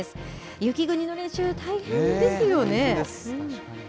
雪国の練習、大変ですよね。